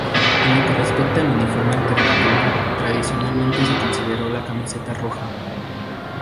En lo que respecta al uniforme alternativo, tradicionalmente se consideró la camiseta roja.